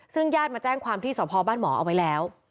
ซึ่งญาติมาแจ้งความที่สพบ้านหมอเอาไว้แล้ว